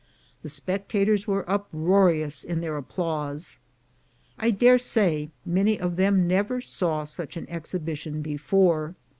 The spectators were uproarious in their applause. I daresay many of them never saw such an exhibition before.